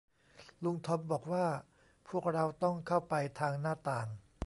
ลุงทอมบอกว่าพวกเราต้องเข้าไปทางหน้าต่าง